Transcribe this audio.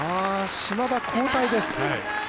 島田、交代です。